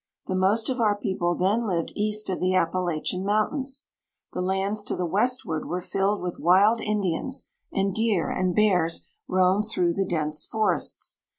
The most of our people then lived east of the Appalachian Mountains. The lands to the westward were filled with wild Indians, and deer and bears roamed through the dense forests.